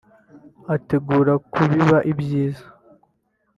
utegura kubiba ibyiza